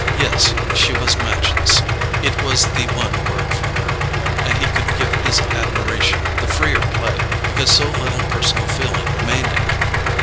Yes, she was matchless—it was the one word for her; and he could give his admiration the freer play because so little personal feeling remained in it.